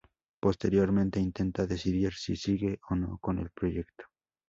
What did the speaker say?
Posteriormente, intenta decidir si sigue o no con el proyecto.